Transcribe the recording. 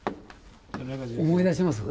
思い出します？